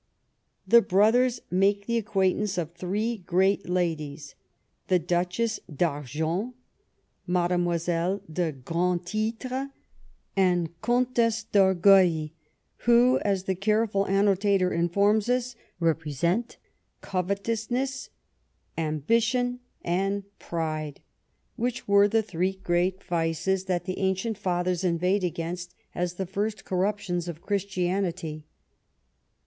The brothers make the acquaintance of three great ladies, the Duchesse d' Argent, Mademoiselle de Grands Titres, and Comtesse d'Orgueil, who, as the careful annotator informs us, represent '^ covetousness, ambi tion, and pride, which were the three great vices that 234 JONATHAN SWIFT the ancient Fathers inveighed against, as the first corruptions of Christianity."